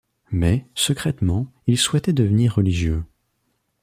Mais, secrètement, il souhaitait devenir religieux.